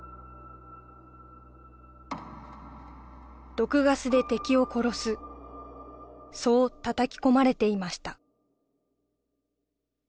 毒ガスで敵を殺すそう叩き込まれていました